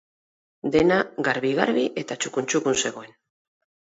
Dena garbi-garbi eta txukun-txukun zegoen.